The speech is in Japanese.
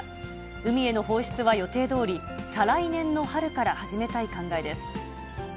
海への放出は予定どおり、再来年の春から始めたい考えです。